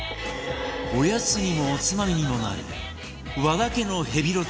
おやつにもおつまみにもなる和田家のヘビロテ！